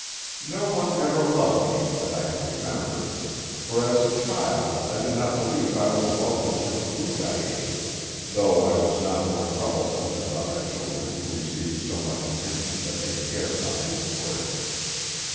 No one ever loved me, that I can remember; for as a child I do not believe I was welcome to the food I ate, though I was not more troublesome than other children who receive so much attention that they care nothing for it.